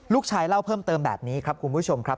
ลูกชายเล่าเพิ่มเติมแบบนี้ครับ